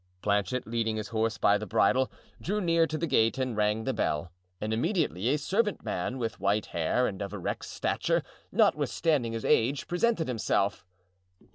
Planchet, leading his horse by the bridle, drew near to the gate and rang the bell, and immediately a servant man with white hair and of erect stature, notwithstanding his age, presented himself.